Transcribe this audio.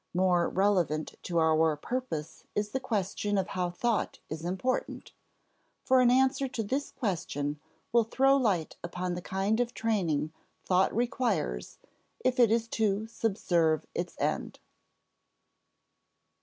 More relevant to our purpose is the question how thought is important, for an answer to this question will throw light upon the kind of training thought requires if it is to subserve its end.